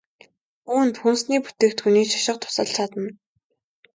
Үүнд хүнсний бүтээгдэхүүний шошго тусалж чадна.